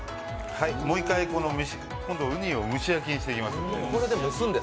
もう一回、今度うにを蒸し焼きにしていきます。